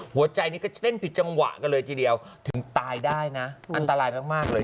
หัวใจนี้ก็เต้นผิดจังหวะกันเลยทีเดียวถึงตายได้นะอันตรายมากเลย